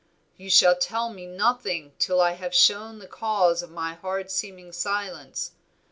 "You shall tell me nothing till I have shown the cause of my hard seeming silence.